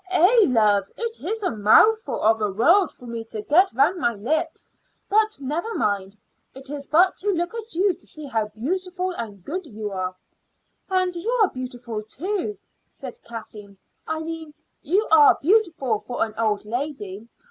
"Eh, love! it is a mouthful of a word for me to get round my lips. But never mind; it is but to look at you to see how beautiful and good you are." "And you are beautiful, too," said Kathleen. "I mean, you are beautiful for an old lady.